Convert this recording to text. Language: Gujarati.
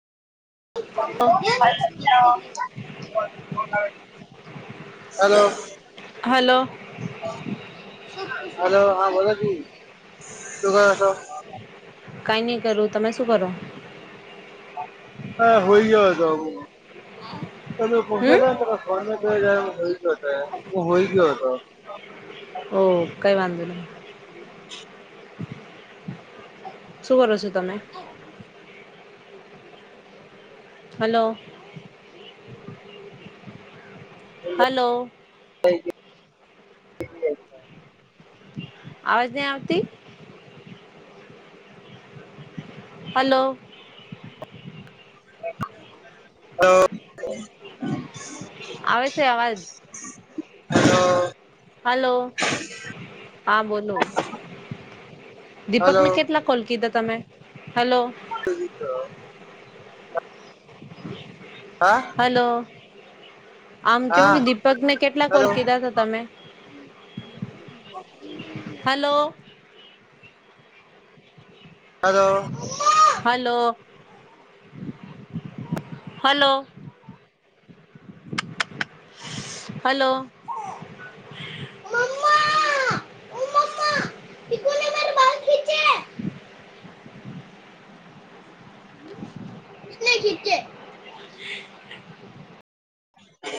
[unintelligible] Hello hello. હલો. હા બોલો જી, શું કરો છો? કઈ નઈ કરું. તમે શું કરો? હા હુય ગયો તો હું. તમે કોણ શા હમ [unintelligible] ઈ [unintelligible] ગયો હતો હું હોઈ ગયો હતો. હ કઈ વાંધો નહી. શું કરો છો તમે? હલો. હલો. [unintelligible] અવાજ નઈ આવતી. હલો. [unintelligible] [inaudible] આવે છે અવાજ. હલો હલો હા બોલો. હલો દીપકને કેટલા કોલ કીધા તમે. હેલો. [unintelligible] હા. હલો. આમ કેવું હા કે દીપક ને કેટલા કોલ હલો કીધા? તમે. Hello. Hello. Hello hello. Hello. [unintelligible] [unintelligible] [inaudible]